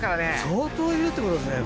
相当いるってことですね